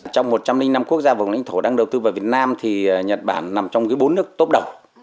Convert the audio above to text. trong một trăm linh năm quốc gia vùng lãnh thổ đang đầu tư vào việt nam thì nhật bản nằm trong bốn nước tốt đầu